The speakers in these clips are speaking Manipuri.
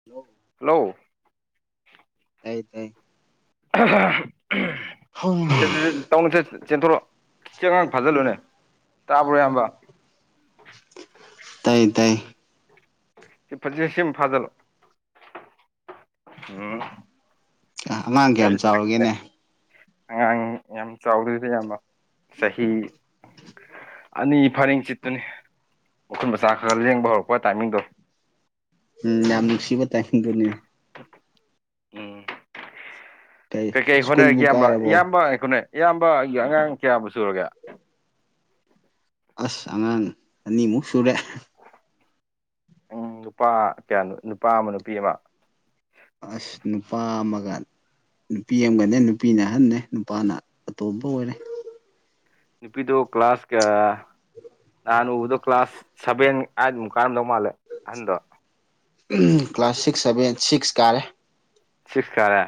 [unintelligible] ꯍꯜꯂꯣ ꯇꯥꯏ ꯇꯥꯏ [unintelligible] [unintelligible] ꯇꯧꯅꯨ ꯆꯦꯟꯊꯣꯔꯛꯑꯣ ꯁꯦ ꯑꯉꯥꯡ ꯐꯥꯖꯤꯜꯂꯨꯅꯦ ꯇꯥꯕ꯭ꯔꯣ ꯏꯌꯥꯝꯕ ꯇꯥꯏ ꯇꯥꯏ ꯁꯤ ꯐꯁꯦ ꯁꯦꯝ ꯐꯥꯖꯜꯂꯣ ꯎꯝ ꯑꯉꯥꯡ ꯀꯌꯥꯝ ꯆꯥꯎꯔꯒꯦꯅꯦ [unintelligible] ꯑꯉꯥꯡ ꯌꯥꯝ ꯆꯥꯎꯗ꯭ꯔꯤꯗ ꯢꯌꯥꯝꯕ ꯆꯍꯤ ꯑꯅꯤ ꯐꯔꯤꯡ ꯆꯤꯠꯇꯨꯅꯤ ꯃꯈꯨꯠ ꯃꯥꯁꯥ ꯈꯔ ꯂꯦꯡꯕ ꯍꯧꯔꯛꯄ ꯇꯥꯏꯃꯤꯡꯗꯣ ꯎꯝ ꯌꯥꯝ ꯅꯨꯡꯁꯤꯕ ꯇꯥꯏꯃꯤꯡꯗꯨꯅꯦ ꯀꯩ ꯀꯩ ꯍꯣꯠꯅꯔꯤꯒꯦ ꯁ꯭ꯀꯨꯜꯕꯨ ꯏꯌꯥꯝꯕ ꯀꯥꯔꯕꯣ ꯏꯌꯥꯝꯕ ꯉꯥꯢꯈꯣꯅꯦ ꯏꯌꯥꯝꯕꯒꯤ ꯑꯉꯥꯡ ꯀꯌꯥꯕꯨ ꯁꯨꯔꯒꯦ ꯑꯁ ꯑꯉꯥꯡ ꯑꯅꯤꯃꯨꯛ ꯁꯨꯔꯦ ꯎꯝ ꯅꯨꯄꯥ ꯀꯌꯥꯅꯣ ꯅꯨꯄꯥ ꯑꯃ ꯅꯨꯄꯤ ꯑꯃ ꯑꯁ ꯅꯨꯄꯥ ꯑꯃꯒ ꯅꯨꯄꯤ ꯑꯃꯒꯅꯦ ꯅꯨꯄꯤꯅ ꯑꯍꯟꯅꯦ ꯅꯨꯄꯥꯅ ꯑꯇꯣꯝꯕ ꯑꯣꯏꯔꯦ ꯅꯨꯄꯤꯗꯣ ꯀ꯭ꯂꯥꯁ ꯀꯌꯥ ꯅꯥꯍꯟ ꯎꯕꯗꯣ ꯀ꯭ꯂꯥꯁ ꯁꯚꯦꯟ ꯑꯥꯢꯠꯃꯨꯛ ꯀꯥꯔꯝꯗꯧ ꯃꯥꯜꯂꯦ ꯑꯍꯟꯗꯣ ꯀ꯭ꯂꯥꯁ ꯁꯤꯛꯁ ꯁꯚꯦꯟ ꯁꯤꯛꯁ ꯀꯥꯔꯦ ꯁꯤꯛꯁ ꯀꯥꯔꯦ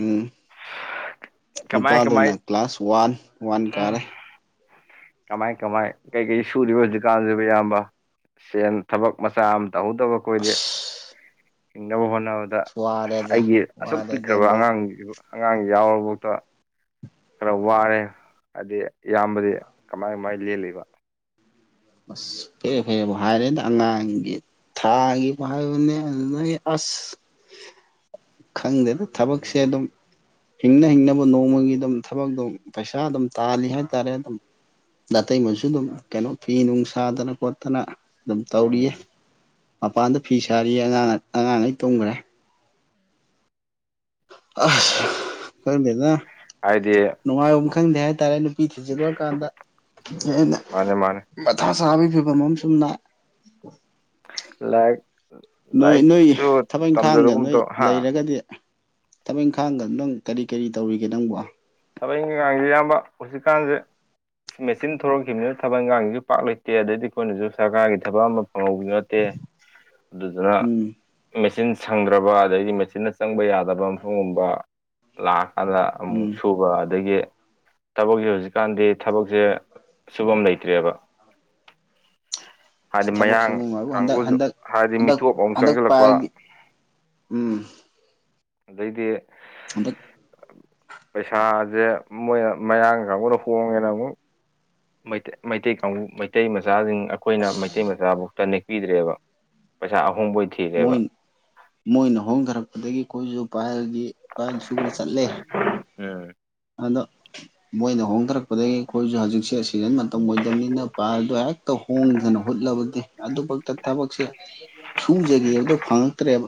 ꯎꯝ ꯀꯃꯥꯏ ꯀꯃꯥꯏ ꯅꯨꯄꯥꯗꯨꯅ ꯀ꯭ꯂꯥꯁ ꯋꯥꯟ ꯋꯥꯟ ꯎꯝ ꯀꯥꯔꯦ ꯀꯃꯥꯏ ꯀꯃꯥꯏ ꯀꯩꯀꯩ ꯁꯨꯔꯤꯕ ꯍꯧꯖꯤꯛꯀꯥꯟꯁꯤꯕꯨ ꯢꯌꯥꯝꯕ ꯁꯦꯟ ꯊꯕꯛ ꯃꯆꯥ ꯑꯃ ꯇꯧꯍꯧꯗꯕ ꯑꯩꯈꯣꯏꯗꯤ ꯑꯁ ꯍꯤꯡꯅꯕ ꯍꯣꯠꯅꯕꯗ ꯗ ꯋꯥꯔꯦꯗ ꯑꯩꯒꯤ ꯑꯁꯨꯛ ꯋꯥꯔꯦꯗ ꯄꯤꯛꯈ꯭ꯔꯕ ꯏꯕꯣ ꯑꯉꯥꯡ ꯑꯉꯥꯡ ꯌꯥꯎꯔꯕꯥꯎꯇ ꯈꯔ ꯋꯥꯔꯦ ꯍꯥꯏꯗꯤ ꯏꯌꯥꯝꯕꯗꯤ ꯀꯃꯥꯏ ꯀꯃꯥꯏꯅ ꯂꯦꯜꯂꯤꯕ ꯑꯁ ꯐꯦꯔꯦ ꯐꯦꯔꯦꯕꯨ ꯍꯥꯏꯔꯦꯗ ꯑꯉꯥꯡꯒꯤ ꯊꯥꯒꯤꯕꯨ ꯍꯥꯏꯕꯅꯦ ꯑꯗꯨꯗꯩ ꯑꯁ ꯈꯪꯗꯦꯗ ꯊꯕꯛꯁꯦ ꯑꯗꯨꯝ ꯍꯤꯡꯅ ꯍꯤꯡꯅꯕ ꯅꯣꯡꯃꯒꯤ ꯑꯗꯨꯝ ꯊꯕꯛꯇꯣ ꯄꯩꯁꯥ ꯑꯗꯨꯝ ꯇꯥꯜꯂꯤ ꯍꯥꯏꯇꯥꯔꯦ ꯑꯗꯨꯝ ꯅꯥꯇꯩꯃꯁꯨ ꯑꯗꯨꯝ ꯀꯩꯅꯣ ꯐꯤ ꯅꯨꯡ ꯁꯥꯗꯅ ꯈꯣꯠꯇꯅ ꯑꯗꯨꯝ ꯇꯧꯔꯤꯌꯦ ꯎꯝ ꯃꯄꯥꯟꯗ ꯐꯤ ꯁꯥꯔꯤꯌꯦ ꯑꯉꯥꯡ ꯑꯉꯥꯡꯉꯩ ꯇꯨꯝꯒ꯭ꯔꯦ ꯑꯁ ꯈꯪꯗꯦꯗ ꯍꯥꯏꯗꯤ ꯅꯨꯡꯉꯥꯏꯕꯝ ꯈꯪꯗꯦ ꯍꯥꯏꯇꯥꯔꯦ ꯅꯨꯄꯤ ꯊꯤꯖꯤꯜꯂꯨꯔꯀꯥꯟꯗ ꯍꯦꯟꯅ ꯃꯥꯅꯦ ꯃꯥꯅꯦ ꯃꯊꯥ ꯁꯥꯕꯩ ꯐꯤꯕꯝ ꯑꯃ ꯁꯨꯝ ꯂꯥꯛꯑꯦ ꯂꯥꯢꯔꯤꯛ ꯅꯣꯏ ꯅꯣꯏ ꯊꯕꯛ ꯏꯪꯈꯥꯡꯒ ꯇꯝꯖꯔꯒꯨꯝ ꯅꯣꯏ ꯇꯧ ꯍꯥ ꯂꯩꯔꯒꯗꯤ ꯊꯕꯛ ꯏꯪꯈꯥꯡꯒ ꯅꯪ ꯀꯔꯤ ꯀꯔꯤ ꯇꯧꯔꯤꯒꯦ ꯅꯪꯕꯣ ꯊꯕꯛ ꯏꯪꯈꯥꯡꯁꯦ ꯑꯌꯥꯝꯕ ꯍꯧꯖꯤꯛꯀꯥꯟꯁꯦ ꯃꯦꯆꯤꯟ ꯊꯣꯂꯛꯈꯤꯕꯅꯤꯅ ꯊꯕꯛ ꯏꯪꯈꯥꯡꯒꯤꯁꯨ ꯄꯥꯛ ꯂꯩꯇꯦ ꯑꯗꯩꯗꯤ ꯑꯩꯈꯣꯏꯅꯁꯨ ꯁꯔꯀꯥꯔꯒꯤ ꯊꯕꯛ ꯑꯃ ꯉꯧꯕꯤꯁꯨ ꯅꯠꯇꯦ ꯑꯗꯨꯗꯨꯅ ꯎꯝ ꯃꯦꯆꯤꯟ ꯁꯪꯗ꯭ꯔꯕ ꯑꯗꯩꯗꯤ ꯃꯦꯆꯤꯟꯅ ꯆꯪꯕ ꯌꯥꯗꯕ ꯃꯐꯝꯒꯨꯝꯕ ꯂꯥꯛꯑꯀꯥꯟꯗ ꯑꯃꯨꯛ ꯎꯝ ꯁꯨꯕ ꯑꯗꯒꯤ ꯊꯕꯛꯁꯦ ꯍꯧꯖꯤꯛꯀꯥꯟꯗꯤ ꯊꯕꯛꯁꯦ ꯁꯨꯐꯝ ꯂꯩꯇ꯭ꯔꯦꯕ [unintelligible] ꯑꯁ ꯍꯥꯏꯗꯤ ꯊꯕꯛ ꯃꯌꯥꯡ ꯁꯨꯕ ꯅꯨꯡꯉꯥꯏꯕꯨ ꯍꯟꯗꯛ ꯀꯥꯡꯒꯨꯁꯨ ꯍꯟꯗꯛ ꯍꯥꯏꯗꯤ ꯍꯟꯗꯛ ꯃꯤꯇꯣꯞ ꯑꯃꯣꯛ ꯍꯟꯗꯛ ꯆꯪꯁꯤꯜꯂꯛꯄ ꯄꯥꯏꯔꯗꯤ ꯎꯝ ꯑꯗꯩꯗꯤ ꯍꯟꯗꯛ ꯄꯩꯁꯥꯁꯦ ꯃꯣꯏ ꯃꯌꯥꯡ ꯀꯥꯡꯕꯨꯅ ꯍꯣꯡꯉꯦꯅ ꯑꯃꯨꯛ ꯃꯩꯇꯩ ꯃꯩꯇꯩ ꯀꯥꯡꯕꯨ ꯃꯩꯇꯩ ꯃꯆꯥꯁꯤꯡ ꯑꯩꯈꯣꯏꯅ ꯃꯩꯇꯩ ꯃꯆꯥꯕꯨ ꯅꯦꯛꯄꯤꯗ꯭ꯔꯦꯕ ꯄꯩꯁꯥ ꯑꯍꯣꯡꯕ ꯑꯣꯏ ꯃꯣꯏ ꯃꯣꯏꯅ ꯍꯣꯡꯊꯔꯛꯄꯗꯒꯤ ꯑꯩꯈꯣꯏꯁꯨ ꯄꯥꯏꯜꯒꯤ ꯄꯥꯏꯜ ꯁꯨꯕ ꯆꯠꯂꯦ ꯎꯝ ꯑꯗ ꯃꯣꯏꯅ ꯍꯣꯡꯊꯔꯛꯄꯗꯒꯤ ꯑꯩꯈꯣꯏꯁꯨ ꯍꯧꯖꯤꯛꯁꯦ ꯑꯁꯤ ꯁꯤꯖꯟ ꯃꯇꯝ ꯑꯣꯏꯗꯕꯅꯤꯅ ꯄꯥꯢꯗꯣ ꯍꯦꯛꯇ ꯍꯣꯡꯗꯅ ꯍꯨꯠꯂꯕꯗꯤ ꯑꯗꯨꯕꯥꯎꯇ ꯊꯕꯛꯁꯦ ꯁꯨꯖꯒꯦꯗ ꯐꯪꯉꯛꯇ꯭ꯔꯦꯕ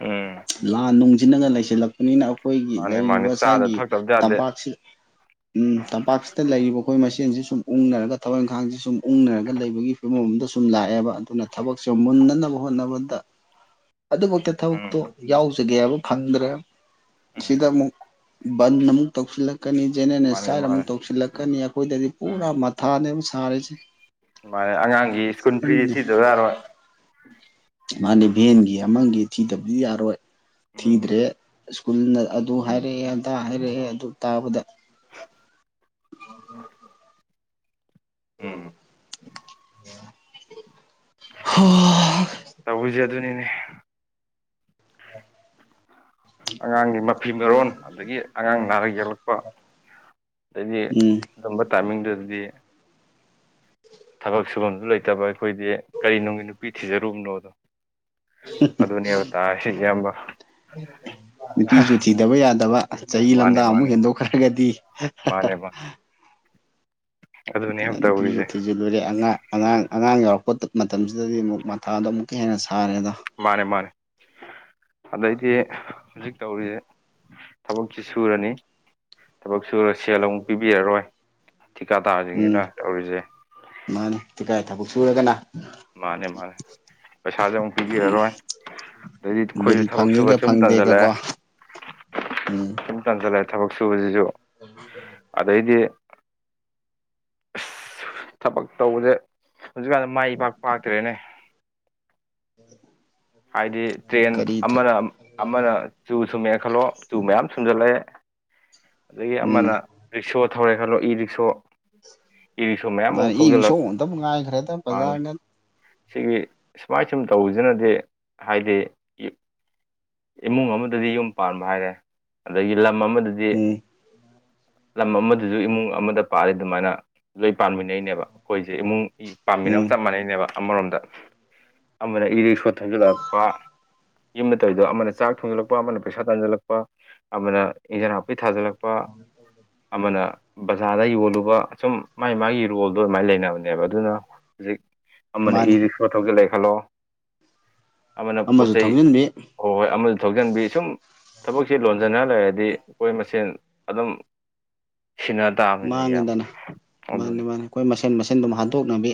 ꯎꯝ ꯂꯥꯟ ꯅꯨꯡꯁꯤꯅꯒ ꯂꯩꯁꯤꯜꯂꯛꯄꯅ ꯑꯩꯈꯣꯏꯒꯤ ꯃꯥꯅꯤ ꯃꯥꯅꯤ ꯂꯩꯔꯤꯕ ꯆꯥꯗ ꯁꯥꯢꯒꯤ ꯊꯛꯇꯕꯗꯤ ꯌꯥꯗꯦ [inaudible] ꯎ ꯇꯝꯄꯥꯛꯁꯤꯗ ꯂꯩꯔꯤꯕ ꯑꯩꯈꯣꯏ ꯃꯁꯦꯟꯁꯤ ꯁꯨꯝ ꯎꯨꯡꯅꯔꯒ ꯊꯕꯛ ꯏꯪꯈꯥꯡꯁꯤ ꯁꯨꯝ ꯎꯨꯡꯅꯔꯒ ꯂꯩꯕꯒꯤ ꯐꯤꯕꯝꯗ ꯁꯨꯝ ꯂꯥꯛꯑꯦꯕ ꯑꯗꯨꯅ ꯊꯕꯛꯁꯦ ꯃꯨꯟꯅꯅꯕ ꯍꯣꯠꯅꯕꯗ [inaudible] ꯑꯗꯨꯕꯥꯎꯇ ꯎꯝ ꯊꯕꯛꯇꯣ ꯌꯥꯎ ꯌꯥꯎꯖꯒꯦ ꯐꯪꯗ꯭ꯔꯦ ꯁꯤꯗ ꯎꯝ ꯑꯃꯨꯛ ꯕꯟ ꯑꯃꯨꯛ ꯇꯧꯁꯤꯜꯂꯛ ꯀꯅꯤ ꯃꯥꯅꯤ ꯖꯦꯅꯦꯅꯦꯁꯥꯏꯅ ꯑꯃꯨꯛ ꯃꯥꯅꯤ ꯇꯧꯁꯤꯜꯂꯛꯀꯅꯤ ꯑꯩꯈꯣꯏꯗꯗꯤ ꯎꯝ ꯄꯨꯔꯥ ꯃꯊꯥꯅꯦꯕ ꯁꯥꯔꯤꯁꯦ [inaudible] ꯃꯥꯅꯦ ꯑꯉꯥꯡꯒꯤ ꯁ꯭ꯀꯨꯜ ꯐ꯭ꯔꯤꯗꯤ ꯊꯤꯗꯕ ꯌꯥꯔꯣꯏ ꯃꯥꯅꯤ ꯚꯦꯟꯒꯤ ꯑꯃꯒꯤ ꯊꯤꯗꯕꯗꯤ ꯌꯥꯔꯣꯏ ꯎꯝ ꯊꯤꯗ꯭ꯔꯦ ꯁ꯭ꯀꯨꯜꯅ ꯑꯗꯨ ꯍꯥꯏꯔꯛꯑꯦ ꯑꯟꯇꯥ ꯍꯥꯏꯔꯛꯑꯦ ꯑꯗꯨ ꯇꯥꯕꯗ ꯑꯣ ꯍ [inaudible] ꯎꯝ ꯍꯣ ꯇꯧꯔꯤꯁꯤ ꯑꯗꯨꯅꯤꯅꯦ [inaudible] ꯑꯉꯥꯡꯒꯤ ꯃꯐꯤ ꯃꯔꯣꯟ ꯑꯗꯒꯤ ꯑꯉꯥꯡ ꯅꯥꯔꯛ ꯌꯦꯛꯂꯛꯄ ꯑꯗꯗꯤ ꯑꯗꯨꯝꯕ ꯇꯥꯏꯃꯤꯡꯗꯨꯗꯗꯤ ꯊꯕꯛ ꯁꯨꯐꯝꯁꯨ ꯂꯩꯇꯕ ꯑꯩꯈꯣꯏꯗꯤ ꯀꯔꯤꯅꯨꯡꯒꯤ ꯅꯨꯄꯤ ꯊꯤꯖꯔꯨꯕꯅꯣꯗꯣ ꯑꯗꯨꯅꯦꯕ ꯇꯥꯏꯁꯤ ꯏꯌꯥꯝꯕ ꯅꯨꯄꯤꯁꯨ ꯊꯤꯗꯕ ꯌꯥꯗꯕ ꯆꯍꯤ ꯃꯥꯅꯦ ꯂꯝꯗꯥꯡ ꯑꯃꯨꯛ ꯃꯥꯅꯦ ꯍꯦꯟꯗꯣꯛꯈ꯭ꯔꯒꯗꯤ ꯑꯗꯨꯅꯦ ꯍꯥꯏꯕ ꯇꯧꯔꯤꯁꯦ ꯊꯤꯖꯤꯟꯂꯨꯔꯦ ꯂꯣꯏꯔꯦ ꯑꯉꯥꯡ ꯑꯉꯥꯡ ꯑꯉꯥꯡ ꯌꯥꯎꯔꯛꯄ ꯃꯇꯝꯁꯤꯗꯗꯤ ꯑꯃꯨꯛ ꯃꯊꯥꯗꯤ ꯑꯃꯨꯛ ꯍꯦꯟꯅ ꯁꯔꯦꯗ ꯃꯥꯅꯦ ꯃꯥꯅꯦ ꯑꯗꯩꯗꯤ ꯍꯧꯖꯤꯛ ꯇꯧꯔꯤꯁꯦ ꯊꯕꯛꯁꯤ ꯁꯨꯔꯅꯤ ꯊꯕꯛ ꯁꯨꯔ ꯁꯦꯜ ꯑꯃꯨꯛ ꯄꯤꯕꯤꯔꯔꯣꯏ ꯊꯤꯀꯥꯗ꯭ꯔ ꯇꯁꯤꯡꯁꯤꯅ ꯎꯝ ꯇꯧꯔꯤꯁꯦ ꯃꯥꯅꯤ ꯇꯤꯀꯥꯏ ꯊꯕꯛ ꯁꯨꯔꯒꯅ ꯃꯥꯅꯦ ꯃꯥꯅꯦ ꯄꯩꯁꯥꯁꯦ ꯑꯃꯨꯛ ꯎꯝ ꯄꯤꯕꯤꯔꯔꯣꯏ ꯑꯗꯩꯗꯤ ꯕꯤꯜ ꯑꯩꯈꯣꯏꯁꯨ ꯊꯕꯛ ꯁꯨꯕ ꯐꯪꯉꯤꯒ ꯁꯨꯝ ꯇꯟꯁꯤꯜꯂꯛꯑꯦ ꯐꯪꯗꯦꯒꯀꯣ ꯎꯝ ꯁꯨꯝ ꯇꯟꯁꯤꯜꯂꯑꯦ ꯊꯕꯛ ꯁꯨꯕꯁꯤꯁꯨ ꯑꯗꯩꯗꯤ ꯑꯁ ꯊꯕꯛ ꯇꯧꯕꯁꯦ ꯍꯧꯖꯤꯛꯀꯥꯟꯗ ꯃꯥꯏ ꯢꯄꯥꯛ ꯄꯥꯛꯇ꯭ꯔꯦꯅꯦ ꯍꯥꯏꯗꯤ ꯇ꯭ꯔꯦꯟ ꯀꯔꯤ ꯑꯃꯅ ꯑꯃꯅ ꯆꯨ ꯁꯨꯝꯃꯦꯑꯦ ꯈꯜꯂꯣ ꯆꯨ ꯃꯌꯥꯝ ꯁꯨꯝꯖꯜꯂꯛꯑꯦ ꯑꯗꯒꯤ ꯎꯝ ꯑꯃꯅ ꯔꯤꯛꯁꯣ ꯊꯧꯔꯦ ꯈꯜꯂꯣ ꯏ ꯔꯤꯛꯁꯣ ꯏꯔꯤꯛꯁꯣ ꯃꯌꯥꯝ ꯑꯃ ꯃꯥꯅꯦ ꯏ ꯊꯧꯖꯤꯜꯂꯛ ꯏꯁꯣꯡꯇꯕꯨ ꯉꯥꯏꯈ꯭ꯔꯦꯗ ꯃꯥꯅꯤ ꯕꯖꯥꯔꯅ ꯁꯤꯒꯤ ꯁꯨꯃꯥꯏ ꯁꯨꯝ ꯇꯧꯕꯁꯤꯅꯗꯤ ꯍꯥꯏꯗꯤ ꯏꯃꯨꯡ ꯑꯃꯗꯗꯤ ꯌꯨꯝ ꯄꯥꯟꯕ ꯍꯥꯏꯔꯦ ꯑꯗꯒꯤ ꯂꯝ ꯑꯃꯗꯗꯤ ꯎꯝ ꯂꯝ ꯑꯃꯗꯁꯨ ꯏꯃꯨꯡ ꯑꯃꯗ ꯄꯥꯜꯂꯤ ꯁꯨꯃꯥꯏꯅ ꯂꯣꯏ ꯄꯥꯝꯃꯤꯟꯅꯩꯅꯦꯕ ꯑꯩꯈꯣꯏꯁꯦ ꯏꯃꯨꯡꯒꯤ ꯄꯥꯟꯃꯤꯟꯅꯕ ꯎꯝ ꯆꯞ ꯃꯥꯟꯅꯩꯅꯦꯕ ꯑꯃꯔꯣꯝꯗ ꯑꯃꯅ ꯏꯔꯤꯛꯁꯣ ꯊꯧꯖꯤꯜꯂꯛꯄ ꯌꯨꯝꯗ ꯇꯧ ꯑꯃꯅ ꯆꯥꯛ ꯊꯣꯡꯖꯜꯂꯛꯄ ꯑꯃꯅ ꯄꯩꯁꯥ ꯇꯥꯟꯁꯤꯜꯂꯛꯄ ꯑꯃꯅ ꯏꯟꯖꯟ ꯍꯥꯞꯄꯤ ꯊꯥꯖꯤꯜꯂꯛꯄ ꯂꯨꯄꯥ ꯑꯃꯅ ꯕꯖꯥꯔꯗ ꯌꯣꯜꯂꯨꯕ ꯁꯨꯝ ꯃꯥꯥꯏ ꯃꯥꯢꯒꯤ ꯔꯣꯜꯗꯣ ꯑꯗꯨꯃꯥꯏꯅ ꯂꯩꯅꯕꯅꯦꯕ ꯑꯗꯨꯅ ꯍꯧꯖꯤꯛ ꯑꯃꯅ ꯏꯔꯤꯛ ꯃꯥꯅꯦ ꯢꯔꯤꯛꯁꯣ ꯊꯧꯖꯤꯟꯂꯛꯌꯦ ꯈꯜꯂꯣ ꯑꯃꯅ ꯄꯣꯠ ꯆꯩ ꯎꯗꯤ [inaudible] ꯍꯣꯏ ꯍꯣꯏ ꯑꯃꯁꯨ ꯊꯧꯖꯤꯟꯕꯤ ꯁꯨꯝ ꯊꯕꯛꯁꯤ ꯂꯣꯟꯖꯤꯟꯅ ꯂꯩꯔꯗꯤ ꯑꯩꯈꯣꯏ ꯃꯁꯦꯟ ꯑꯗꯨꯝ ꯁꯤꯅ ꯃꯥꯡꯉꯤꯗꯅ ꯃꯥꯅꯤ ꯃꯥꯅꯤ ꯑꯩꯈꯣꯏ ꯃꯁꯦꯟ ꯃꯁꯦꯟ ꯑꯗꯨꯝ ꯍꯥꯠꯇꯣꯛꯅꯕꯤ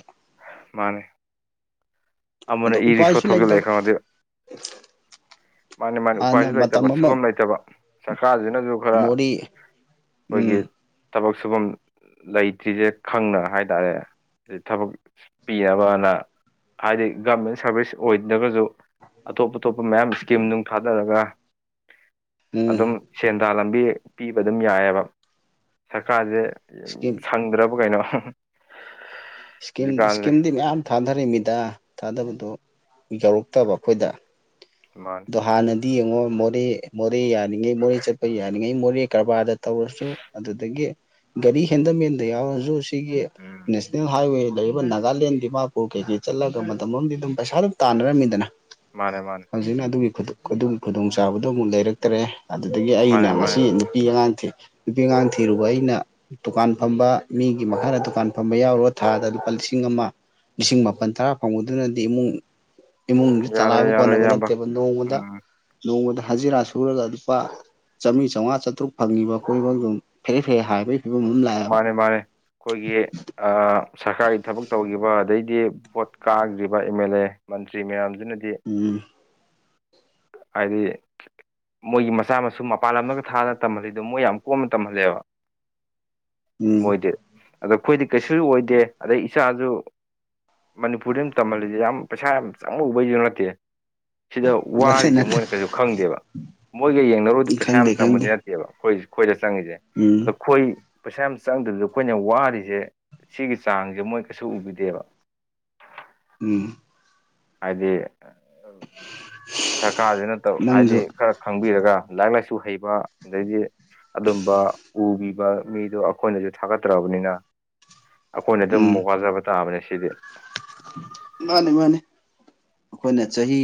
ꯃꯥꯅꯤ ꯑꯃꯅ ꯑꯗꯣ ꯏꯔꯤꯛꯁꯣ ꯎꯄꯥꯏꯁꯨ ꯊꯧꯖꯤꯜꯂꯛꯑꯦ ꯂꯩꯇꯕ ꯈꯪꯉꯥꯗꯤ ꯃꯥꯅꯦ ꯃꯥꯅꯦ ꯍꯥꯟꯅ ꯎꯄꯥꯏꯁꯨ ꯂꯩꯇꯕ ꯃꯇꯝ ꯑꯃ ꯁꯨꯐꯝ ꯂꯩꯇꯕ ꯁꯔꯀꯥꯔꯁꯤꯅꯁꯨ ꯈꯔ ꯃꯣꯔꯤ ꯎꯝ ꯑꯩꯈꯣꯏꯒꯤ ꯊꯕꯛ ꯁꯨꯐꯝ ꯂꯩꯇ꯭ꯔꯤꯁꯦ ꯈꯪꯅ ꯍꯥꯏꯇꯥꯔꯦ ꯊꯕꯛ ꯄꯤ ꯑꯕꯅ [inaudible] ꯍꯥꯏꯗꯤ ꯒꯣꯔꯃꯦꯟ ꯁꯥꯔꯚꯤꯁ ꯑꯣꯏꯗ꯭ꯔꯒꯁꯨ ꯑꯇꯣꯞ ꯑꯇꯣꯞꯄ ꯃꯌꯥꯝ ꯏꯁꯀꯤꯝ ꯅꯣꯡ ꯊꯥꯗꯔꯒ ꯎꯝ ꯑꯗꯨꯝ ꯁꯦꯟꯗꯥꯟ ꯂꯝꯕꯤ ꯄꯤꯕ ꯑꯗꯨꯝ ꯌꯥꯏꯑꯦꯕ ꯁꯔꯀꯥꯔꯁꯦ ꯏꯁꯀꯤꯝ ꯁꯪꯗ꯭ꯔꯕ ꯀꯩꯅꯣ ꯏꯁꯀꯤꯝ ꯍꯧꯖꯤꯛꯀꯥꯟꯁꯦ ꯏꯁꯀꯤꯝꯗꯤ ꯃꯌꯥꯝ ꯊꯥꯗꯔꯤ ꯃꯤꯗ ꯊꯥꯗꯕꯗꯣ ꯌꯧꯔꯛꯇꯕ ꯑꯩꯈꯣꯏꯗ ꯃꯥꯅꯤ ꯑꯗꯣ ꯍꯥꯟꯅꯗꯤ ꯌꯦꯡꯉꯣ ꯃꯣꯔꯦ ꯃꯣꯔꯦ ꯌꯥꯔꯤꯉꯩ ꯃꯣꯔꯦ ꯆꯠꯄ ꯌꯥꯔꯤꯉꯩ ꯃꯣꯔꯦ ꯀꯔꯕꯥꯔꯗ ꯇꯧꯔꯁꯨ ꯑꯗꯨꯗꯒꯤ ꯒꯥꯔꯤ ꯍꯦꯟꯗꯃꯦꯟꯗ ꯌꯥꯎꯔꯁꯨ ꯁꯤꯒꯤ ꯎꯝ ꯅꯦꯁꯅꯦꯜ ꯍꯥꯏꯋꯦ ꯂꯩ ꯑꯗꯨꯒ ꯅꯥꯒꯥꯂꯦꯟ ꯗꯤꯃꯥꯄꯨꯔ ꯀꯩꯀꯩ ꯆꯠꯂꯒ ꯃꯇꯝ ꯑꯃꯗꯤ ꯑꯗꯨꯝ ꯄꯩꯁꯥ ꯑꯗꯨꯝ ꯇꯥꯟꯅꯔꯝꯃꯤꯗꯅ ꯃꯥꯅꯦ ꯃꯥꯅꯦ ꯍꯧꯖꯤꯛꯅ ꯑꯗꯨꯒꯤ ꯑꯗꯨꯒꯤ ꯈꯨꯗꯣꯡꯆꯥꯥꯕꯗꯣ ꯑꯃꯨꯛ ꯂꯩꯔꯛꯇ꯭ꯔꯦ ꯑꯗꯨꯗꯒꯤ ꯑꯩꯅ ꯃꯥꯅꯦ ꯃꯥꯅꯦ ꯉꯁꯤ ꯅꯨꯄꯤ ꯑꯉꯥꯡ ꯅꯨꯄꯤ ꯑꯉꯥꯡ ꯊꯤꯔꯨꯕ ꯑꯩꯅ ꯗꯨꯀꯥꯟ ꯐꯝꯕ ꯃꯤꯒꯤ ꯃꯈꯥꯗ ꯗꯨꯀꯥꯟ ꯐꯝꯕ ꯌꯥꯎꯔꯨꯔꯥ ꯊꯥꯗ ꯂꯨꯄꯥ ꯂꯤꯁꯤꯡ ꯑꯃ ꯂꯤꯁꯤꯡ ꯃꯥꯄꯜ ꯇꯔꯥ ꯐꯪꯕꯗꯨꯅꯗꯤ ꯏꯃꯨꯡ ꯏꯃꯨꯡꯗꯨ ꯌꯥꯔꯣꯏ ꯆꯂꯥꯏꯕ ꯌꯥꯔꯣꯏ ꯀꯣꯟꯅꯕ ꯏꯌꯥꯝꯕ ꯅꯠꯇꯦ ꯅꯣꯡꯃꯗ ꯎꯝ ꯅꯣꯡꯃꯗ ꯍꯖꯤꯔꯥ ꯁꯨꯔꯒ ꯂꯨꯄꯥ ꯆꯥꯝꯂꯤ ꯆꯥꯝꯉꯥ ꯆꯥꯇꯨꯔꯛ ꯐꯪꯉꯤꯕ ꯑꯩꯈꯣꯢꯐꯥꯎ ꯌꯣ ꯐꯦꯔꯦ ꯐꯦꯔꯦ ꯍꯥꯏꯕꯒꯤ ꯐꯤꯕꯝ ꯑꯃ ꯂꯥꯛ ꯃꯥꯅꯦ ꯃꯥꯅꯦ ꯑꯩꯈꯣꯏꯒꯤ ꯁꯔꯀꯥꯔꯒꯤ ꯊꯕꯛ ꯇꯧꯈꯤꯕ ꯑꯗꯩꯗꯤ ꯚꯣꯠ ꯀꯥꯈ꯭ꯔꯤꯕ ꯑꯦꯝ ꯑꯦꯜ ꯑꯦ ꯃꯟꯇ꯭ꯔꯤ ꯃꯌꯥꯝꯁꯤꯅꯗꯤ ꯎꯝ ꯍꯥꯏꯗꯤ ꯃꯣꯏꯒꯤ ꯃꯆꯥ ꯃꯁꯨ ꯃꯄꯥꯟ ꯂꯝꯗꯒ ꯊꯥꯗꯅ ꯇꯝꯍꯜꯂꯤꯗꯣ ꯃꯣꯏ ꯌꯥꯝ ꯀꯣꯝꯅ ꯇꯝꯍꯜꯂꯦꯕ ꯎꯝ ꯃꯣꯏꯗꯤ ꯑꯗꯣ ꯑꯩꯈꯣꯏꯗꯤ ꯀꯩꯁꯨꯁꯨ ꯑꯣꯏꯗꯦ ꯑꯗꯩ ꯏꯆꯥꯁꯨ ꯃꯅꯤꯄꯨꯔꯗ ꯑꯗꯨꯝ ꯇꯝꯍꯜꯂꯤꯁꯦ ꯌꯥꯝ ꯄꯩꯁꯥ ꯌꯥꯝ ꯆꯪꯉꯨꯕꯩꯁꯨ ꯅꯠꯇꯦ ꯁꯤꯗ ꯅꯠꯇꯦ ꯋꯥꯔꯤꯁꯦ ꯅꯠꯇꯦ ꯃꯣꯏꯅ ꯀꯩꯁꯨ ꯈꯪꯗꯦꯕ ꯃꯣꯏꯒ ꯌꯦꯡꯅꯔꯨꯗꯤ ꯄꯩꯁꯥ ꯌꯥꯝ ꯈꯪꯗꯦ ꯆꯪꯕ ꯈꯪꯗꯦ ꯅꯠꯇꯦ ꯕ ꯑꯩꯈꯣꯏ ꯑꯩꯈꯣꯏꯗ ꯆꯪꯉꯤꯁꯦ ꯑꯣ ꯎꯝ ꯑꯩꯈꯣꯏ ꯄꯩꯁꯥ ꯌꯥꯝ ꯆꯪꯗꯕꯤꯗ ꯑꯩꯈꯣꯏꯅ ꯋꯥꯔꯤꯁꯦ ꯁꯤꯒꯤ ꯆꯥꯡꯁꯦ ꯃꯣꯏ ꯀꯩꯁꯨ ꯎꯕꯤꯗꯦꯕ ꯎꯝ ꯍꯥꯏꯗꯤ ꯁꯔꯀꯥꯔꯁꯤꯅ ꯇꯧ ꯍꯥꯏꯗꯤ ꯅꯪꯁꯨ ꯈꯔ ꯈꯪꯕꯤꯔꯒ ꯂꯥꯏꯔꯤꯛ ꯂꯥꯏꯁꯨ ꯍꯩꯕ ꯑꯗꯩꯗꯤ ꯑꯗꯨꯝꯕ ꯎꯕꯤꯕ ꯃꯤꯗꯣ ꯑꯩꯈꯣꯏꯅꯁꯨ ꯊꯥꯒꯠꯇ꯭ꯔꯕꯅꯤꯅ ꯑꯩꯈꯣꯏꯅ ꯑꯗꯨꯝ ꯎꯝ ꯋꯥꯖꯕ ꯇꯥꯕꯅꯦ ꯁꯤꯗꯤ ꯃꯥꯅꯤ ꯃꯥꯅꯤ ꯑꯩꯈꯣꯏꯅ ꯆꯍꯤ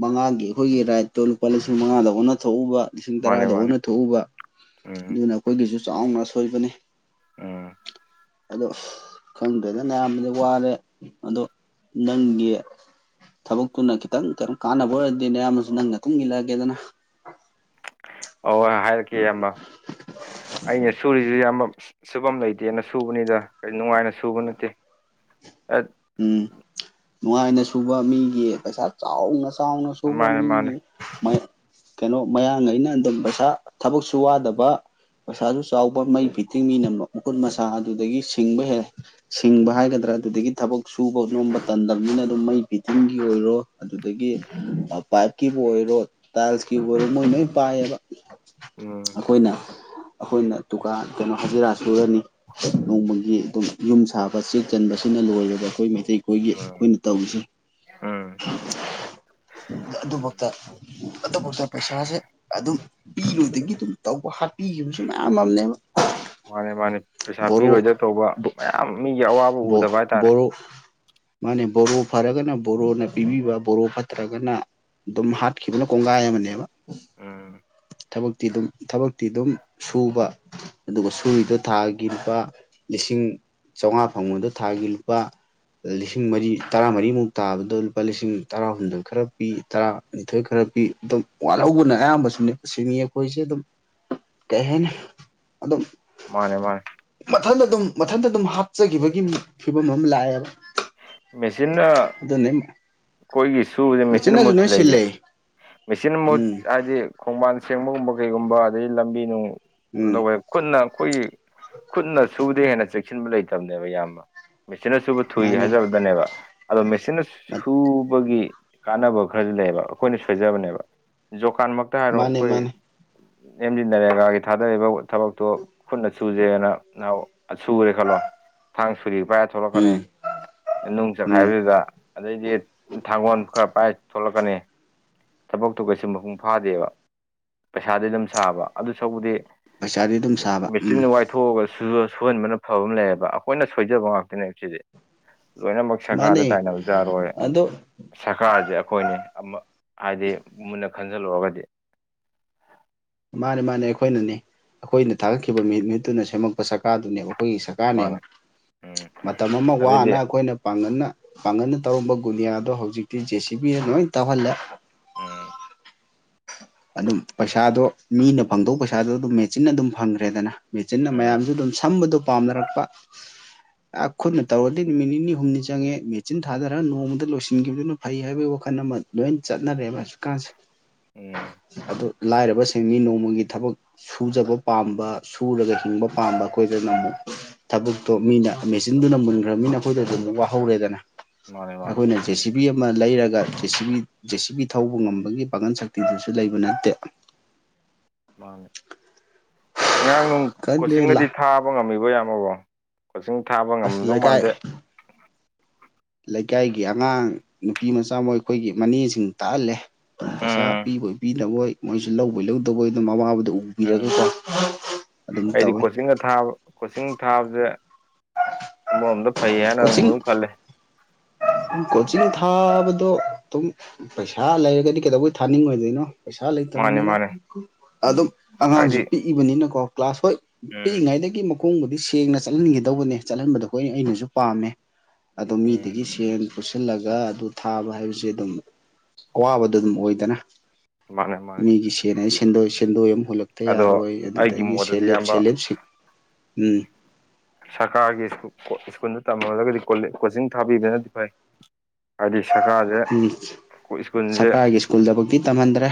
ꯃꯉꯥꯒꯤ ꯑꯩꯈꯣꯏꯒꯤ ꯔꯥꯏꯠꯇꯣ ꯂꯨꯄꯥ ꯂꯤꯁꯤꯡ ꯃꯉꯥꯗ ꯑꯣꯟꯅ ꯊꯣꯛꯎꯕ ꯂꯤꯁꯤꯡ ꯃꯥꯅꯦ ꯇꯔꯥꯗ ꯃꯥꯅꯦ ꯑꯣꯟꯅ ꯊꯣꯛꯎꯕ ꯎꯝ ꯑꯗꯨꯅ ꯑꯩꯈꯣꯏꯒꯤꯁꯨ ꯆꯥꯎꯅ ꯑꯁꯣꯏꯕꯅꯤ ꯎꯝ ꯑꯗꯣ ꯈꯪꯗ꯭ꯔꯦꯗ ꯅꯌꯥꯝꯕꯗꯤ ꯋꯥꯔꯦ ꯑꯗꯣ ꯅꯪꯒꯤ ꯊꯕꯛꯇꯨꯅ ꯈꯤꯇꯪ ꯀꯩ ꯅꯣꯝ ꯀꯥꯟꯅꯕ ꯑꯣꯏꯔꯗꯤ ꯅꯌꯥꯝꯕꯁꯨ ꯅꯪ ꯅꯇꯨꯡ ꯏꯜꯂꯛꯑꯒꯦꯗꯅ ꯑꯥꯎ ꯍꯣꯏ ꯍꯥꯏꯔꯛꯀꯦ ꯏꯌꯥꯝꯕ ꯑꯩꯅ ꯁꯨꯔꯤꯁꯦ ꯏꯌꯥꯝꯕ ꯁꯨꯐꯝ ꯂꯩꯇꯦꯅ ꯁꯨꯕꯅꯤꯗ ꯅꯨꯡꯉꯥꯏꯅ ꯁꯨꯕ ꯅꯠꯇꯦ ꯎꯝ ꯅꯨꯡꯉꯥꯏꯅ ꯁꯨꯕ ꯃꯤꯒꯤ ꯄꯩꯁꯥ ꯆꯥꯎꯅ ꯆꯥꯎꯅ ꯁꯨꯕ ꯃꯥꯅꯦ ꯃꯥꯅꯦ ꯃꯤꯒꯤ ꯀꯩꯅꯣ ꯃꯌꯥꯡ ꯒꯩꯅ ꯑꯗꯨꯝ ꯄꯩꯁꯥ ꯊꯕꯛꯁꯨ ꯋꯥꯗꯕ ꯄꯩꯁꯥꯁꯨ ꯆꯥꯎꯕ ꯃꯩ ꯐꯤꯠꯇꯤꯡ ꯃꯤꯅꯤꯅ ꯃꯈꯨꯠ ꯃꯁꯥ ꯑꯗꯨꯗꯒꯤ ꯁꯤꯡꯕ ꯍꯦꯜꯂꯦ ꯁꯤꯡꯕ ꯍꯥꯏꯒꯗ꯭ꯔꯥ ꯑꯗꯨꯗꯒꯤ ꯊꯕꯛ ꯁꯨꯕ ꯅꯣꯝꯕ ꯇꯟꯗꯝꯅꯤꯅ ꯑꯗꯨꯝ ꯃꯩ ꯐꯤꯇꯤꯡꯒꯤ ꯑꯣꯏꯔꯣ ꯑꯗꯨꯗꯒꯤ ꯄꯥꯏꯞꯀꯤꯕꯨ ꯑꯣꯏꯔꯣ ꯇꯥꯏꯜꯁꯀꯤꯕꯣꯔꯦ ꯃꯣꯏ ꯅꯣꯏ ꯄꯥꯏꯌꯦꯕ ꯎꯝ ꯑꯩꯈꯣꯏꯅ ꯑꯩꯈꯣꯏꯅ ꯗꯨꯀꯥꯟ ꯀꯩꯅꯣ ꯍꯥꯖꯤꯔꯥ ꯁꯨꯔꯅꯤ ꯅꯣꯡꯃꯒꯤ ꯑꯗꯨꯝ ꯌꯨꯝ ꯁꯥꯕ ꯆꯦꯛ ꯆꯟꯕꯁꯤꯅ ꯂꯣꯏꯔꯦꯕ ꯑꯩꯈꯣꯏ ꯃꯩ ꯇꯩ ꯑꯩꯈꯣꯏꯒꯤ ꯎꯝ ꯑꯩꯈꯣꯏꯅ ꯇꯧꯔꯤꯁꯦ ꯎꯝ ꯑꯗꯨꯕꯛꯇ ꯑꯗꯨꯐꯥꯎꯛꯇ ꯄꯩꯁꯥꯁꯦ ꯑꯗꯨꯝ ꯄꯤꯔꯣꯏꯗꯣꯏꯒꯤ ꯑꯗꯨꯝ ꯇꯧꯕ ꯍꯥꯠꯄꯤꯕꯁꯨ ꯃꯌꯥꯝ ꯑꯃꯅꯦꯕ ꯃꯥꯅꯦ ꯃꯥꯅꯦ ꯄꯩꯁꯥ ꯕꯣꯔꯣ ꯄꯤꯔꯣꯏꯗ ꯇꯧꯕ ꯃꯌꯥꯝ ꯃꯤꯒꯤ ꯑꯋꯥꯕ ꯎꯗꯕ ꯍꯥꯏꯇꯥꯔꯦ ꯕꯣꯔꯣ ꯃꯥꯅꯦ ꯕꯣꯔꯣ ꯐꯔꯒꯅ ꯕꯣꯔꯣꯅ ꯄꯤꯕꯤꯕ ꯕꯣꯔꯣ ꯐꯠꯇ꯭ꯔꯒꯅ ꯑꯗꯨꯝ ꯍꯥꯠꯈꯤꯕꯅ ꯀꯣꯡꯒꯥꯏ ꯑꯃꯅꯦꯕ ꯎꯝ ꯊꯕꯛꯇꯤ ꯑꯗꯨꯝ ꯊꯕꯛꯇꯤ ꯑꯗꯨꯝ ꯁꯨꯕ ꯑꯗꯨꯒ ꯁꯨꯔꯤꯗꯣ ꯊꯥꯒꯤ ꯂꯨꯄꯥ ꯂꯤꯁꯤꯡ ꯆꯧꯉꯥ ꯐꯪꯕꯗ ꯊꯥꯒꯤ ꯂꯨꯄꯥ ꯂꯤꯁꯤꯡ ꯃꯔꯤ ꯇꯔꯥꯃꯔꯤꯃꯨꯛ ꯇꯥꯕꯗꯨ ꯂꯨꯄꯥ ꯂꯤꯁꯤꯡ ꯇꯔꯥꯍꯨꯝꯗꯣꯏ ꯈꯔ ꯄꯤ ꯇꯔꯥꯅꯤꯊꯣꯏ ꯈꯔ ꯄꯤ ꯑꯗꯨꯝ ꯋꯥꯠꯍꯧꯕꯅ ꯑꯌꯥꯝꯕꯁꯨꯅꯦ ꯁꯤꯃꯤ ꯑꯩꯈꯣꯏꯁꯦ ꯑꯗꯨꯝ [inaudible] ꯀꯩ ꯍꯥꯏꯅꯤ ꯑꯗꯨꯝ ꯃꯥꯅꯦ ꯃꯥꯅꯦ ꯃꯊꯟꯇ ꯑꯗꯨꯝ ꯃꯊꯟꯇ ꯑꯗꯨꯝ ꯍꯥꯞꯆꯈꯤꯕꯒꯤ ꯐꯤꯕꯝ ꯑꯃ ꯂꯥꯛꯑꯦꯕ ꯃꯦꯆꯤꯟꯅ ꯑꯗꯨꯅꯤ [unintelligible] ꯈꯣꯏꯒꯤ ꯁꯨꯕꯁꯦ ꯃꯦꯆꯤꯟꯅꯥ ꯃꯍꯨꯠ ꯁꯤꯟꯂꯛ ꯏꯖꯦ ꯁꯤꯜꯂꯦ ꯃꯦꯆꯤꯟ ꯃꯨꯠ ꯎꯝ ꯍꯥꯏꯗꯤ ꯈꯣꯡꯕꯥꯟ ꯁꯦꯡꯕꯒꯨꯝꯕ ꯀꯩꯒꯨꯝꯕ ꯑꯗꯒꯤ ꯂꯝꯕꯤ ꯅꯨꯡ ꯀꯩꯅ ꯎꯝ ꯇꯧꯋꯦ ꯈꯨꯠꯅ ꯑꯩꯈꯣꯏꯒꯤ ꯈꯨꯠꯅ ꯁꯨꯕꯗꯩ ꯍꯦꯟꯅ ꯆꯦꯛꯁꯤꯟꯕ ꯂꯩꯇꯕꯅꯦꯕ ꯏꯌꯥꯝꯕ ꯃꯦꯆꯤꯟꯅ ꯁꯨꯕ ꯊꯨꯏ ꯃꯥꯅꯦ ꯍꯥꯏꯖꯕꯗꯅꯦꯕ ꯑꯗꯣ ꯃꯦꯆꯤꯟꯅ ꯁꯨꯕꯒꯤ ꯀꯥꯟꯅꯕ ꯈꯔꯁꯨ ꯂꯩꯌꯦꯕ ꯑꯩꯈꯣꯏꯅ ꯁꯣꯏꯖꯕꯅꯦꯕ ꯖꯣꯀꯥꯟ ꯃꯛ ꯇ ꯍꯥꯏꯔꯣ ꯃꯥꯅꯦ ꯑꯩꯈꯣꯏ ꯃꯥꯅꯦ ꯑꯦꯝ ꯖꯤ ꯅꯔꯦꯒꯥꯒꯤ ꯊꯥꯗꯔꯤꯕ ꯊꯕꯛꯇꯣ ꯈꯨꯠꯅ ꯆꯨꯖꯦꯅ ꯅꯍꯣ ꯁꯨꯔꯦ ꯈꯜꯂꯣ ꯊꯥꯡ ꯁꯨꯔꯤ ꯄꯥꯏ ꯊꯣꯛꯂꯛꯀꯅꯤ ꯎꯝ ꯅꯨꯡ ꯎꯝ ꯆꯈꯥꯏꯕꯗꯨꯗ ꯑꯗꯩꯗꯤ ꯊꯥꯡꯒꯣꯜ ꯈꯔ ꯄꯥꯏ ꯊꯣꯛꯂꯛꯀꯅꯤ ꯊꯕꯛꯇꯨ ꯀꯩꯁꯨ ꯃꯄꯨꯡ ꯐꯥꯗꯦꯕ ꯄꯩꯁꯥꯗꯤ ꯑꯗꯨꯝ ꯁꯥꯕ ꯑꯗꯨ ꯁꯎꯛꯄꯨꯗꯤ ꯄꯩꯁꯥꯗꯤ ꯑꯗꯨꯝ ꯁꯥꯕ ꯎꯝ ꯃꯦꯆꯤꯟ ꯋꯥꯏꯊꯣꯛꯑꯒ ꯁꯨꯍꯟꯕꯅ ꯐꯕ ꯑꯃ ꯂꯩꯌꯦꯕ ꯑꯩꯈꯣꯏꯅ ꯁꯣꯏꯖꯕ ꯉꯥꯛꯇꯅꯦꯕ ꯁꯤꯗꯤ ꯂꯣꯏꯅꯃꯛ ꯁꯔꯀꯥꯔꯗ ꯃꯥꯅꯦ ꯇꯥꯏꯅꯕꯁꯨ ꯌꯥꯔꯣꯏ ꯑꯗꯣ ꯁꯔꯀꯥꯔꯁꯦ ꯑꯩꯈꯣꯏꯅꯤ ꯑꯃ ꯍꯥꯏꯗꯤ ꯃꯨꯟꯅ ꯈꯟꯖꯜꯂꯨꯔꯒꯗꯤ ꯃꯥꯅꯦ ꯃꯥꯅꯦ ꯑꯩꯈꯣꯏꯅꯅꯦ ꯑꯩꯈꯣꯏꯅ ꯊꯥꯒꯠꯈꯤꯕ ꯃꯤꯠ ꯃꯤꯍꯨꯠꯇꯨꯅ ꯁꯦꯝꯃꯛꯄ ꯁꯔꯀꯥꯔꯗꯨꯅꯦꯕ ꯑꯩꯈꯣꯏꯒꯤ ꯁꯔꯀꯥꯔꯅꯦꯕ ꯃꯥꯅꯦ ꯎꯝ ꯃꯇꯝ ꯑꯃ ꯋꯥꯅ ꯑꯗꯩꯗꯤ ꯑꯩꯈꯣꯏꯅ ꯄꯥꯡꯒꯟꯅ ꯄꯥꯡꯒꯟꯅ ꯇꯧꯔꯝꯕ ꯒꯨꯅꯤꯌꯥꯗꯣ ꯍꯧꯖꯤꯛꯇꯤ ꯖꯦ ꯁꯤ ꯕꯤꯅ ꯂꯣꯏ ꯇꯧꯍꯜꯂꯦ ꯎꯝ ꯑꯗꯨꯝ ꯄꯩꯁꯥꯗꯣ ꯃꯤꯅ ꯐꯪꯗꯧꯕ ꯄꯩꯁꯥꯗꯣ ꯑꯗꯨꯝ ꯃꯦꯆꯤꯟꯅ ꯑꯗꯨꯝ ꯐꯪꯈ꯭ꯔꯦꯗꯅ ꯃꯦꯆꯤꯟꯅ ꯎꯝ ꯃꯌꯥꯝꯁꯨ ꯑꯗꯨꯝ ꯁꯝꯕꯗꯨ ꯄꯥꯝꯅꯔꯛꯄ [inaudible] ꯑꯥ ꯈꯨꯠꯅ ꯇꯧꯔꯗꯤ ꯅꯨꯃꯤꯠ ꯅꯤꯅꯤ ꯍꯨꯝꯅꯤ ꯆꯪꯉꯦ ꯃꯦꯆꯤꯟ ꯊꯥꯗꯔꯒ ꯅꯣꯡꯃꯗ ꯂꯣꯏꯁꯤꯟꯈꯤꯕꯗꯨꯅ ꯐꯩ ꯍꯥꯏꯕꯒꯤ ꯋꯥꯈꯜ ꯑꯃ ꯂꯣꯏ ꯆꯠꯅꯔꯦꯕ ꯍꯧꯖꯤꯛꯀꯥꯟꯁꯦ ꯎꯝ ꯑꯗꯨ ꯂꯥꯏꯔꯕꯁꯤꯡꯅꯤ ꯅꯣꯡꯃꯒꯤ ꯊꯕꯛ ꯁꯨꯖꯕ ꯄꯥꯝꯕ ꯁꯨꯔꯒ ꯍꯤꯡꯕ ꯄꯥꯝꯕ ꯑꯩꯈꯣꯏꯗꯅ ꯑꯃꯨꯛ ꯊꯕꯛꯇꯣ ꯃꯤꯅ ꯃꯦꯆꯤꯟꯗꯨꯅ ꯃꯨꯟꯈ꯭ꯔꯕꯅꯤꯅ ꯑꯩꯈꯣꯏꯗ ꯑꯗꯨꯝ ꯋꯥꯍꯧꯔꯦꯗꯅ ꯃꯥꯅꯦ ꯃꯥꯅꯦ ꯑꯩꯈꯣꯏꯅ ꯖꯦ ꯁꯤꯕꯤ ꯑꯃ ꯂꯩꯔꯒ ꯖꯦ ꯁꯤꯕꯤ ꯖꯦ ꯁꯤꯕꯤ ꯊꯧꯕ ꯉꯝꯕꯒꯤ ꯄꯥꯡꯒꯜ ꯁꯛ ꯇꯦꯡꯁꯨ ꯂꯩꯕ ꯅꯠꯇꯦ ꯃꯥꯅꯦꯑꯉꯥꯡ ꯅꯨꯡ ꯈꯪꯗꯦ ꯀꯣꯆꯤꯡꯒꯗꯤ ꯂꯥ ꯊꯥꯕ ꯉꯝꯃꯤꯕꯣ ꯏꯌꯥꯝꯃꯕꯣ ꯀꯣꯆꯤꯡ ꯊꯥꯕ ꯑꯁ ꯉꯝꯃꯝꯗꯧ ꯂꯩꯀꯥꯏ ꯃꯥꯟꯗꯦ ꯂꯩꯀꯥꯏꯒꯤ ꯑꯉꯥꯡ ꯅꯨꯄꯤ ꯃꯆꯥ ꯃꯥ ꯑꯩꯈꯣꯏꯒꯤ ꯃꯅꯦꯁꯤꯡ ꯇꯥꯛꯍꯜꯂꯦ ꯄꯩꯁꯥ ꯎꯝ ꯄꯤꯕꯣꯏ ꯄꯤꯗꯕꯣꯏ ꯃꯣꯏꯁꯨ ꯂꯧꯕꯣꯏ ꯂꯧꯗꯕꯣꯏ ꯑꯗꯨꯝ ꯃꯥ ꯋꯕꯗꯣ ꯎ ꯎꯝ ꯊꯤꯔꯒꯀꯣꯑꯗꯨꯝ ꯑꯩꯗꯤ ꯇꯧꯋꯦ ꯀꯣꯆꯤꯡꯒ ꯊꯥꯕ ꯀꯣꯆꯤꯡ ꯊꯥꯕꯁꯦ ꯑꯃꯔꯣꯝꯗ ꯐꯩ ꯍꯥꯏꯅ ꯀꯣꯆꯤꯡ ꯑꯃ ꯈꯜꯂꯦ ꯀꯣꯆꯤꯡ ꯊꯥꯕꯗꯣ ꯑꯗꯨꯝ ꯄꯩꯁꯥ ꯂꯩꯔꯒꯗꯤ ꯀꯩꯗꯧꯕꯩ ꯊꯥꯅꯤꯡꯉꯣꯏꯗꯣꯏꯅꯣ ꯄꯩꯁꯥ ꯃꯥꯅꯦ ꯂꯩꯇꯕꯅꯤꯅ ꯃꯥꯅꯦ ꯑꯗꯨꯝ ꯑꯉꯥꯡꯁꯨ ꯍꯥꯏꯗꯤ ꯄꯤꯛꯏꯕꯅꯤꯅꯀꯣ ꯀ꯭ꯂꯥꯁ ꯍꯣꯏ ꯎꯝ ꯄꯤꯛꯏꯉꯩꯗꯒꯤ ꯃꯨꯛ ꯃꯈꯣꯡꯕꯨꯗꯤꯁꯦꯡꯅ ꯆꯠꯍꯟꯒꯗꯧꯕꯅꯦ ꯆꯠꯍꯟꯕꯗꯣ ꯍꯣꯢ ꯑꯩꯅꯁꯨ ꯄꯥꯝꯃꯦ ꯑꯗꯣ ꯎꯝ ꯃꯤꯗꯒꯤ ꯁꯦꯜ ꯄꯨꯁꯤꯜꯂꯒ ꯑꯗꯨ ꯊꯥꯕ ꯍꯥꯏꯕꯁꯦ ꯑꯗꯨꯝ ꯑꯋꯥꯕꯗꯣ ꯑꯗꯨꯝ ꯑꯣꯏꯗꯅ ꯃꯥꯅꯦ ꯃꯥꯅꯦ ꯃꯤꯒꯤ ꯁꯦꯜ ꯍꯥꯢꯁꯦ ꯁꯦꯟꯗꯣꯏ ꯑꯃꯨꯛ ꯍꯨꯂꯛ ꯍꯦꯛꯇꯥ ꯑꯗꯣ ꯌꯥꯔꯣꯏ ꯑꯩꯒꯤ ꯑꯗꯨꯗꯒꯤ ꯃꯣꯠꯇꯗꯤ ꯁꯦꯂꯦꯞ ꯏꯌꯥꯝꯕ ꯎꯝ ꯁꯔꯀꯥꯔꯒꯤ ꯁ꯭ꯀꯨꯜꯗ ꯇꯝꯍꯜꯂꯒꯗꯤ ꯀꯣꯆꯤꯡ ꯊꯥꯕꯤꯕꯅꯗꯤ ꯐꯩ ꯍꯥꯏꯗꯤ ꯁꯔꯀꯥꯔꯁꯦ ꯎꯝ ꯑꯩꯈꯣꯏ ꯁ꯭ꯀꯨꯜꯁꯦ ꯁꯔꯀꯥꯔꯒꯤ ꯁ꯭ꯀꯨꯜꯗꯐꯧꯗꯤ ꯇꯝꯍꯟꯗ꯭ꯔꯦ